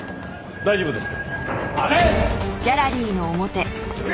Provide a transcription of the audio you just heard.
大丈夫ですか？